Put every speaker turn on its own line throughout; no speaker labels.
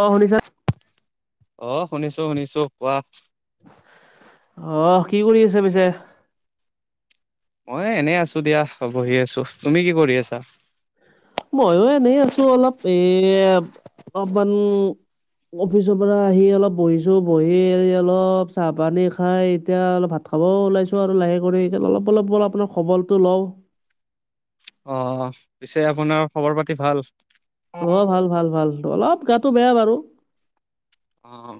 অঁ শুনিছা নে?
অঁ' শুনিছো শুনিছো, কোৱা?
অঁ' কি কৰি আছে পিছে?
মই এনেই আছো দিয়া বহি আছো, তুমি কি কৰি আছা?
মইয়ো এনেই আছো অলপ, এ অকমান- অফিচৰ পৰা আহি অলপ বহিছো, বহি অলপ চাহ পানী খাই এতিয়া অলপ ভাত খাব ওলাইছোঁ আৰু লাহে কৰি অলপ অলপ বল আপোনাৰ খবৰটো লওঁ।
অঁ' পিছে আপোনাৰ খবৰ পাতি ভাল?
অঁ' ভাল ভাল ভাল, অলপ গাটো বেয়া বাৰু।
অঁ।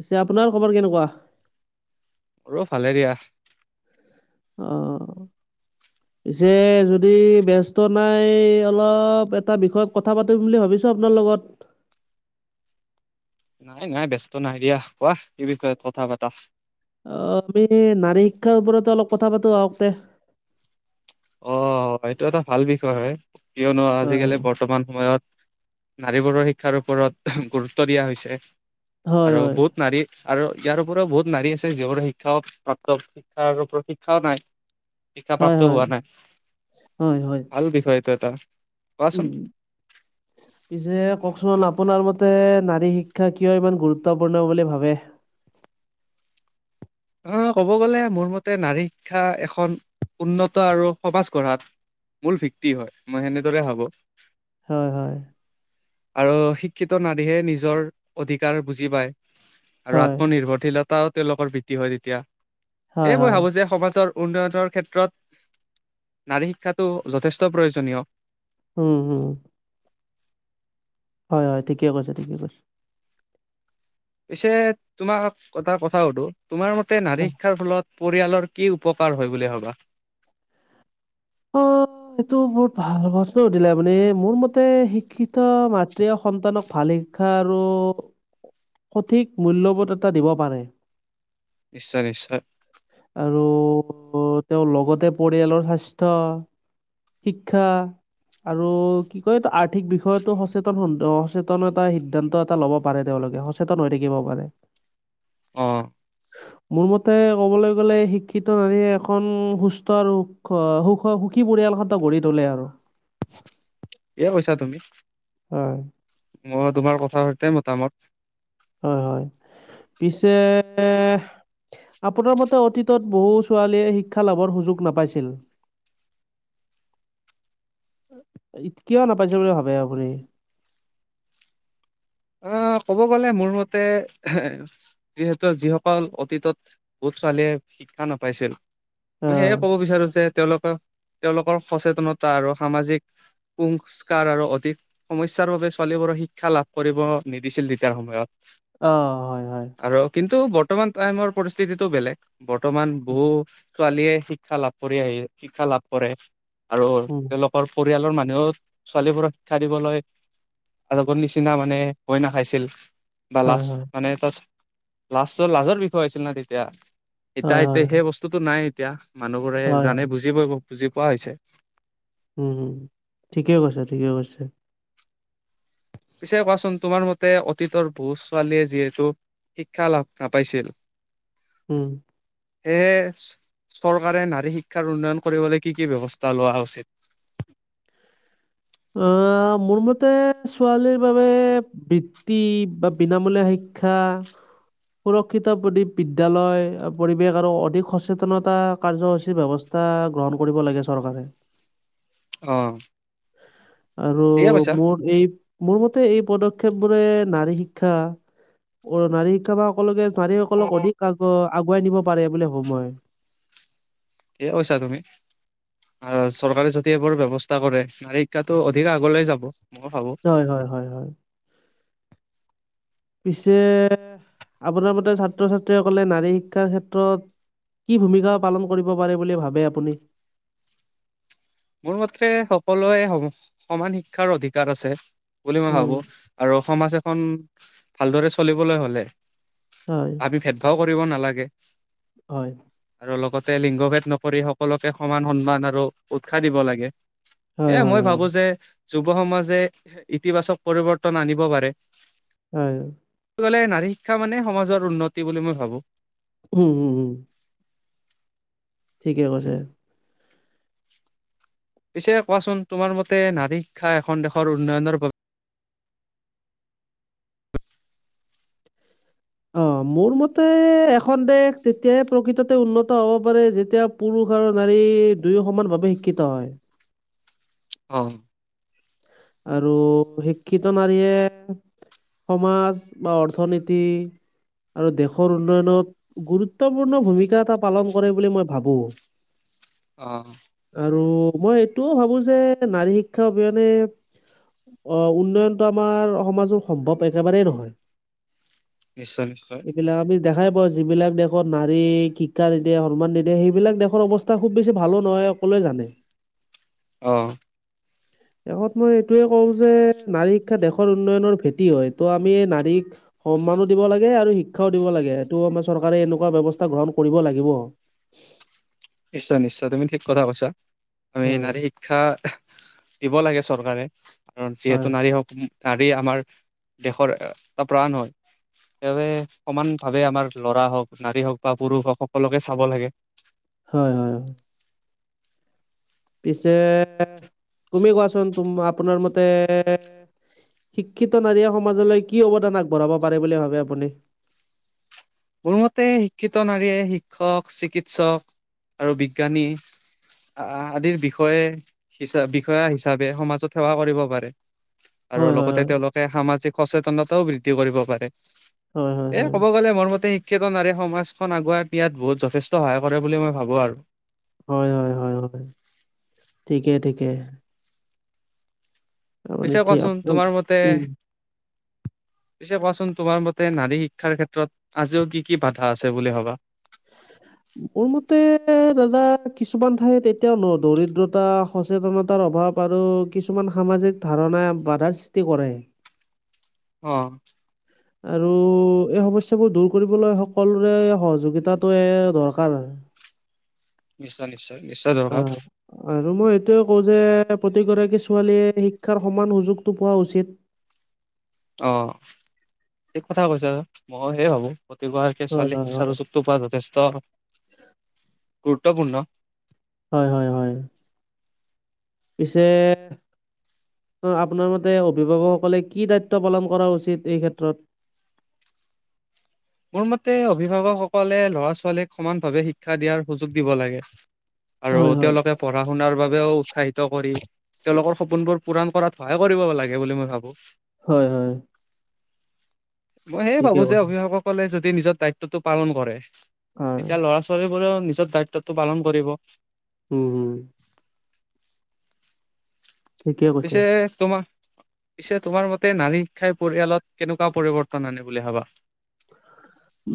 পিছে আপোনাৰ খবৰ কেনেকুৱা?
মোৰো ভালে দিয়া।
অঁ। পিছে যদি ব্যস্ত নাই অলপ এটা বিষয়ত কথা পাতিম বুলি ভাবিছোঁ আপোনাৰ লগত।
নাই নাই ব্যস্ত নাই দিয়া, কোৱা কি বিষয়ত কথা পাতা?
অঁ' আমি নাৰী শিক্ষাৰ ওপৰতে অলপ কথা পাতো আহকতে।
অঁ, এইটো এটা ভাল বিষয় হয় কিয়নো আজিকালি বৰ্তমান সময়ত- নাৰীবোৰৰ শিক্ষাৰ ওপৰত গুৰুত্ব দিয়া হৈছে
হয় হয়
আৰু
হয়
বহুত নাৰী আৰু ইয়াৰপৰিও বহুত নাৰী আছে যিবোৰ শিক্ষা প্ৰাপ্ত শিক্ষা আৰু প্ৰশিক্ষাও নাই শিক্ষা
হয়
প্ৰাপ্ত
হয়।
হোৱা নাই।
হয়, হয়।
ভাল বিষয় এইটো এটা। কোৱাচোন
উম। পিছে কওকচোন আপোনাৰ মতে নাৰী শিক্ষা কিয় ইমান গুৰুত্বপূৰ্ণ বুলি ভাবে?
অ', ক'ব গ'লে মোৰ মতে নাৰী শিক্ষা এখন উন্নত আৰু সমাজ গঢ়াত মূল ভিত্তি হয়, মই সেনেদৰে ভাবো।
হয়, হয়।
আৰু শিক্ষিত নাৰীহে নিজৰ অধিকাৰ বুজি পায়। আৰু
হয়
আত্মনিৰ্ভৰশীলতাও তেওঁলোকৰ বৃদ্ধি হয় তেতিয়া,
হয়
এই মই
হয়
ভাবো যে সমাজৰ উন্নয়নৰ ক্ষেত্ৰত নাৰী শিক্ষাটো যথেষ্ট প্ৰয়োজনীয়।
উম, উম। হয়, হয়, ঠিকে কৈছে ঠিকে কৈছে।
পিছে তোমাক এটা কথা সোধোঁ তোমাৰ মতে নাৰী শিক্ষাৰ ফলত পৰিয়ালৰ কি উপকাৰ হয় বুলি ভবা?
অ' এইটো বহুত ভাল প্ৰশ্ন সুধিলে আপুনি, মোৰ মতে শিক্ষিত মাতৃ আৰু সন্তানক ভাল শিক্ষা আৰু সঠিক মূল্যবোধ এটা দিব পাৰে।
নিশ্চয় নিশ্চয়।
আৰু তেওঁৰ লগতে পৰিয়ালৰ স্বাস্থ্য। শিক্ষা আৰু কি কয় আৰ্থিক বিষয়ো সচেতন সচেতন এটা সিদ্ধান্ত এটা ল'ব পাৰে তেওঁলোকে। সচেতন হৈ থাকিব পাৰে।
অ'।
মোৰ মতে ক'বলৈ গ'লে শিক্ষিত নাৰীয়ে এখন সুস্থ আৰু সুখ সুখী পৰিয়ালখন গঢ়ি তোলে আৰু।
[unintelligible] কৈছা তুমি।
হয়।
মই তোমাৰ কথাৰ সৈতে মতামত।
হয়, হয়, পিছে আপোনাৰ মতে অতীতত বহু ছোৱালীয়ে শিক্ষা লাভৰ সুযোগ নাপাইছিল। কিয় নাপাইছিল বুলি ভাবে আপুনি?
অ', ক'ব গ'লে মোৰ মতে যিহেতু যিসকল অতীতত বহুত ছোৱালীয়ে শিক্ষা নাপাইছিল।
অ
মই সেয়ে ক'ব বিচাৰো যে, তেওঁলোকৰ তেওঁলোকৰ সচেতনতা আৰু সামাজিক সংস্কাৰ আৰু অধিক সমস্যাৰ বাবে ছোৱালীবোৰৰ শিক্ষা লাভ কৰিব নিদিছিল তেতিয়াৰ সময়ত।
অ'। হয় হয়
আৰু কিন্তু বৰ্তমান টাইমৰ পৰিস্থিতিটো বেলেগ, বৰ্তমান বহু ছোৱালীয়ে শিক্ষা লাভ কৰি আহি শিক্ষা লাভ কৰে, আৰু
উম
তেওঁলোক ৰ পৰিয়ালৰ মানুহেও ছোৱালীবোৰক শিক্ষা দিবলৈ আগৰ নিচি নিচিনা মানে ভয় নাখাইছিল, বা
হয়
লাষ্ট
হয়
মানে তাৰপিছত লাছ লাজৰ বিষয় আছিল না তেতিয়া এতিয়া
হয় হয়
এতিয়া সেই বস্তুতটো নাই এতিয়া। মানুহবোৰে
হয় হয়
জানে বুজিই বুজি পোৱা হৈছে।
উম ঠিকেই কৈছা ঠিকেই কৈছা।
পিছে কোৱাচোন তোমাৰ মতে অতীতৰ বহুত ছোৱালীয়ে যিহেতু। শিক্ষা লাভ নাপাইছিল।
উম।
সেয়ে চৰ চৰকাৰে নাৰী শিক্ষাৰ উন্নয়ন কৰিবলৈ কি কি ব্যৱস্থা লোৱা উচিত।
অ মোৰ মতে ছোৱালীৰ বাবে। বৃত্তি বা বিনামূলীয়া শিক্ষা। সুৰক্ষিত বুধি বিদ্যয়ালয় পৰিৱেশ আৰু অধিক সচেতনতা কাৰ্যসূচীৰ ব্যৱস্থা। এটা গ্ৰহণ কৰিব লাগে চৰকাৰে।
অ।
আৰু
ঠিকে কৈছা
মোৰ এই মোৰ মতে এই পদক্ষেপ বোৰে নাৰী শিক্ষা। অ নাৰী শিক্ষা বা সকলোকে নাৰীসকলক অধিক আগু আগুৱাই নিব পাৰে বুলি ভাবো মই।
কি কৈছা তুমি। আৰু চৰকাৰে যদি এইবোৰ ব্যৱস্থা কৰে নাৰী শিক্ষাটো অধিকে আগলৈ যাব মই ভাবো।
হয় হয় হয় হয় পিছে। আপোনাৰ মতে ছাত্ৰ ছাত্ৰীসকলে নাৰী শিক্ষাৰ ক্ষেত্ৰত। কি ভূমিকা পালন কৰিব পাৰে বুলি ভাবে আপুনি।
মোৰ মতে সকলোৱে সম সমান শিক্ষাৰ অধিকাৰ আছে বুলি মই
উম
ভাবো। আৰু সমাজ এখন ভালদৰে চলিবলৈ হ'লে।
হয়।
আমি ভেদ ভাও কৰিব নালাগে।
হয়।
আৰু লগতে লিংগ ভেদ নকৰি সকলোকে সমান সন্মান আৰু উৎসাহ দিব লাগে।
হয়,
এ
হয়,
মই
হয়,
ভাবো যে যুৱ সমাজে ইতিবাচক পৰিৱৰ্তন আনিব পাৰে।
হয়।
এটো নাৰী শিক্ষা মানে সমাজৰ উন্নতি বুলি মই ভাবো।
উম উম উম। ঠিকে কৈছে।
পিছে কোৱাচোন তোমাৰ মতে নাৰী শিক্ষা এখন দেশৰ উন্নয়নৰ বাবে।
অ মোৰ মতে এখন দেশ তেতিয়াই প্ৰকৃততে উন্নত। ত হ'ব পাৰে যেতিয়া পুৰুষ আৰু নাৰী দুয়ো সমান ভাৱে শিক্ষিত হয়।
অহ।
আৰু শিক্ষিত নাৰীয়ে। সমাজ বা অৰ্থনীতি। আৰু দেশৰ উন্নয়নত গুৰুত্বপূৰ্ণ ভূমিকা এটা পালন কৰে বুলি মই ভাবো।
অ।
আৰু মই এইটোও ভাবো যে নাৰী শিক্ষা অবিহনে। অ উন্নয়নটো আমাৰ সমাজৰ সম্ভৱ একেবাৰেই নহয়।
নিশ্চয় নিশ্চয়
এইবিলা আমি। দেখাই পাওঁ যিবিলাক দেশত নাৰী শিক্ষা নিদিয়ে সন্মান নিদিয়ে সেই দেশৰ অৱস্থা খুব বেছি ভালো নহয়। সকলোৱে জানে।
অঁ।
শেষত মই এইটোয়ে কওঁ যে নাৰী শিক্ষা দেশৰ উন্নয়নৰ ভেটি হয়। ত' আমি নাৰীক। সন্মানো দিব লাগে আৰু শিক্ষাও দিব লাগে সেইটো আমাৰ চৰকাৰে এনেকুৱা ব্যৱস্থা গ্ৰহণ কৰিব লাগিব।
নিশ্চয়-নিশ্চয়! তুমি ঠিক কথা কৈছা। আমি
হয়
নাৰী শিক্ষা দিব লাগে চৰকাৰে কাৰণ যিহেতু
হয়
নাৰী হক নাৰী আমাৰ দেশৰ এটা প্ৰাণ হয়। সেবাবে সমানভাৱে আমাৰ ল'ৰা হওক, নাৰী হওক বা পুৰুষ হওক সকলোকে চাব লাগে।
হয় হয়। পিছে, তুমি কোৱাচোন? তুম আপোনাৰ মতে শিক্ষিত নাৰীয়ে সমাজলৈ কি অৱদান আগবঢ়াব পাৰে বুলি ভাবে আপুনি?
মোৰ মতে শিক্ষিত নাৰীয়ে শিক্ষক, চিকিৎসক আৰু বিজ্ঞানী আহ আদিৰ বিষয়ে হিচা বিষয়া হিচাপে সমাজত সেৱা কৰিব পাৰে। আৰু
হয় হয়
লগতে
হয়
তেওঁলোকে সামাজিক সচেতনতাও বৃদ্ধি কৰিব পাৰে।
হয় হয়
এ
হয়
ক'ব গ'লে মৰ মত তে শিক্ষিত নাৰীয়ে সমাজখন আগুৱাই নিয়াত বহুত যথেষ্ট সহায় কৰে বুলি মই ভাবো আৰু।
হয় হয় হয় হয়। ঠিকে-ঠিকে। অ
পিছে
নিঠি আপ,
কোৱাচোন তোমাৰ মতে
উম।
পিছে কোৱাচোন তোমাৰ মতে নাৰী শিক্ষাৰ ক্ষেত্ৰত আজিও কি কি বাধা আছে বুলি ভাবা?
মোৰ মতে দাদা কিছুমান ঠাইত এতিয়াও ন' দৰিদ্ৰতা সচেতনতাৰ অভাৱ আৰু কিছুমান সামাজিক ধাৰণাই বাধাৰ সৃষ্টি কৰে।
অঁ।
আৰু এই সমস্যাবোৰ দূৰ কৰিবলৈ সকলোৰে সহযোগিতাটোয়ে দৰকাৰ হয়।
নিশ্চয়-নিশ্চয়? নিশ্চয় দৰকাৰ।
অ'। আৰু মই এইটোয়ে কওঁ যে প্ৰতিগৰাকী ছোৱালীয়ে শিক্ষাৰ সমান সুযোগটো পোৱা উচিত।
অ, ঠিক কথা কৈছা, মই সে ভাবো, প্ৰতিগৰাকী
হয়,
ছোৱালী
হয়, হয়,
শিক্ষাৰুচী তো পৱা যথেষ্ট, গুৰুত্বপূৰ্ণ।
হয় হয় হয়। পিছে- আপোনাৰ মতে অভিভাৱকসকলে কি দায়িত্ব পালন কৰা উচিত এই ক্ষেত্ৰত?
মোৰ মতে অভিভাৱকসকলে ল'ৰা-ছোৱালীক সমান ভাৱে শিক্ষা দিয়াৰ সুযোগ দিব লাগে।
হয়,
আৰু
হয়,
তেওঁলোকে পঢ়া-শুনাৰ বাবেও উৎসাহিত কৰি তেওঁলোকৰ সপোনবোৰ পূৰাণ কৰাত সহায় কৰিব লাগে বুলি মই ভাবো।
হয় হয়।
মই সেয়ে
ঠিকে
ভাবো যে
কৈছে।
অভিভাৱকসকলে যদি নিজৰ দায়িত্বতটো পালন কৰে,
হয়,
তেতিয়া ল'ৰা-ছ ছোৱালীবোৰে নিজৰ দায়িত্বটো পালন কৰিব।
উম হুম। ঠিকে কৈছে।
পিছে তোমা পিছে তোমাৰ মতে নাৰী শিক্ষাই পৰিয়ালত কেনেকুৱা পৰিৱৰ্তন আনে বুলি ভাবা?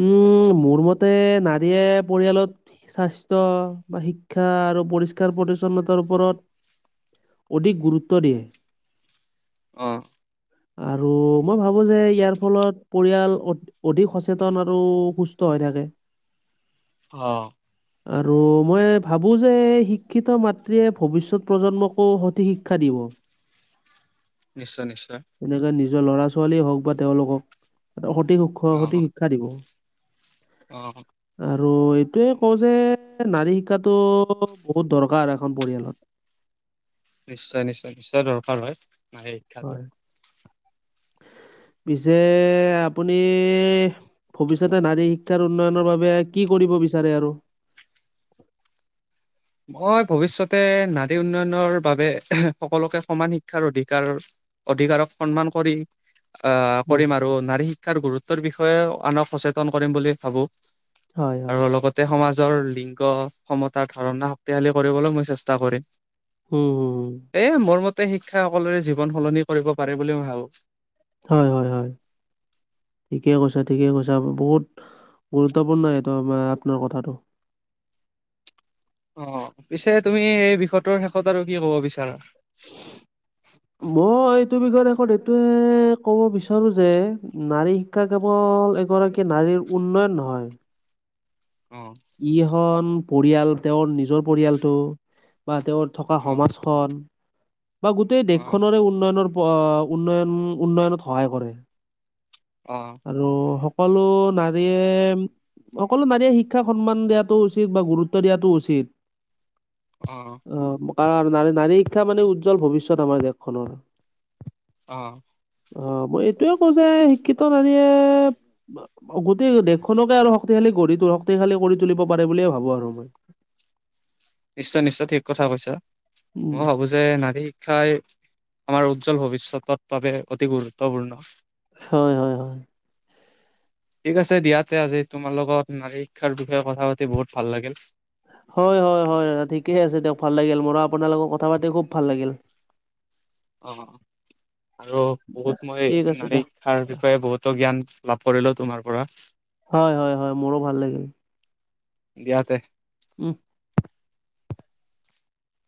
ই'য়ে মোৰ মতে নাৰীয়ে পৰিয়ালত স্বাস্থ্য বা শিক্ষা আৰু পৰিষ্কাৰ-পৰিচ্ছন্নতাৰ ওপৰত অধিক গুৰুত্ব দিয়ে।
অঁ।
আৰু মই ভাবো যে ইয়াৰ ফলত পৰিয়াল অধিক সচে- চেতন আৰু সুস্থ হৈ থাকে।
অ'।
[inaudible] আৰু মই ভাবোঁ যে শিক্ষিত মাতৃয়ে ভৱিষ্যত প্ৰজন্মকো সঠিক শিক্ষা দিব।
নিশ্চয় নিশ্চয়।
তেনেকে নিজৰ ল'ৰা ছোৱালীয়ে হওক বা তেওঁলোকক সঠিক সু
অ',
সঠিক শিক্ষা দিব।
অ-
আৰু এইটোয়ে কওঁ যে নাৰী শিক্ষাটো বহুত দৰকাৰ এখন পৰিয়ালত।
নিশ্চয় নিশ্চয় নিশ্চয় দৰকাৰ হয় নাৰীৰ
হয় পিছে আপুনি ভৱিষ্যতে, নাৰী শিক্ষাৰ উন্নয়নৰ বাবে কি কৰিব বিচাৰে আৰু?
মই ভৱিষয়তে, নাৰী উন্নয়নৰ বাবে সকলোকে সমান শিক্ষাৰ অধিকাৰ অধিকাৰক সন্মান কৰি আহ
উম,
কৰিম আৰু নাৰী শিক্ষাৰ গুৰুত্বৰ বিষয়ে আনক সচেতন কৰিম বুলি ভাবো।
হয়, হয়,
আৰু লগতে সমাজৰ লিংগ সমতা ধাৰণা শক্তিশালী কৰিবলৈ মই চেষ্টা কৰিম।
উম। হুম,
এ, মোৰ মতে শিক্ষা সকলোৰে জীৱন সলনি কৰিব পাৰে বুলি মই ভাবো।
হয় হয় হয়। ঠিকে কৈছা ঠিকে কৈছা বহুত গুৰুত্বপূৰ্ণ এইটো, আমাৰ আপোনাৰ কথাটো।
অ', পিছে তুমি সেই বিষয়টোৰ শেষত আৰু কি ক'ব বিচাৰা?
[unintelligible] মই এইটো বিষয়ত শেষত এইটোয়ে ক'ব বিচাৰো যে নাৰী শিক্ষা কেৱল এগৰাকী নাৰীৰ উন্নয়ন নহয়
অ।
কিখন পৰিয়াল তেওঁৰ নিজৰ পৰিয়ালটো বা তেওঁৰ- থকা
অ
সমাজখন, বা গোটেই
অ
দেশ খনৰে উন্নয়নৰ অ উন্নয়ন উন্নয়নত সহায় কৰে।
অ।
আৰু সকলো নাৰীয়ে। সকলো নাৰীয়ে শিক্ষাক সন্মান দিয়াটো উচিত বা গুৰুত্ব দিয়াাতটো উচিত।
অ।
অ', কাৰণ নাৰী-নাৰী শিক্ষা মানে উজ্জ্বল ভৱিষ্যত আমাৰ দেশখনৰ।
অ।
অ', মই এইটোয়ে কওঁ যে শিক্ষিত নাৰীয়ে গোটেই দেশখনকে আৰু শক্তিশালী গঢ়ি, শক্তিশালী কৰি তুলিব পাৰে বুলিয়ে ভাবো আৰু মই।
নিশ্চয় নিশ্চয় ঠিক কথা কৈছা,
উম।
মই ভাবো যে যে, নাৰী শিক্ষাই আমাৰ উজ্জ্বল ভৱিষ্যতৰ বাবে অতি গুৰুত্বপূৰ্ণ।
হয় হয় হয়।
ঠিক আছে দিয়াতে আজি, তোমাৰ লগত নাৰী শিক্ষাৰ বিষয়ে কথা পাতি বহুত ভাল লাগিল।
হয় হয় হয়, ঠিকে আছে দিয়ক ভাল লাগিল, মোৰ আপোনাৰ লগত কথা পাতি খুব ভাল লাগিল।
অ', আৰু বহুত
ঠিক
মই
আছে
নাৰী
দিয়ক
শিক্ষা বিষয়ে বহুতো জ্ঞান, লাভ কৰিলো তোমাৰ পৰা।
হয় হয় হয়, মোৰো ভাল লাগিল।
ইয়াতে।
উম।